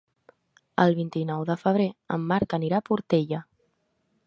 El vint-i-nou de febrer en Marc anirà a la Portella.